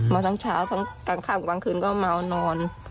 มาทั้งเช้าทั้งกลางค่ำกลางคืนก็เมานอน